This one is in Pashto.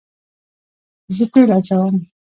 زه تیل اچوم